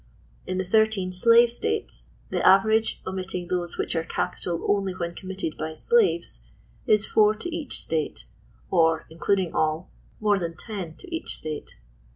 In the thirteen slave states, the average, omitting those which are capital only when committed by slaves, is four to each state, pi, including all, more than ten to each state.